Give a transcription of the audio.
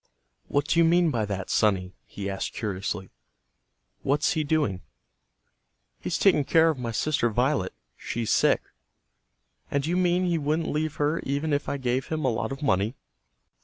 "What do you mean by that, sonny?" he asked curiously. "What's he doing?" "He's taking care of my sister Violet. She's sick." "And you mean he wouldn't leave her even if I gave him a lot of money?"